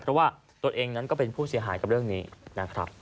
เพราะว่าตัวเองนั้นก็เป็นผู้เสียหายกับเรื่องนี้นะครับ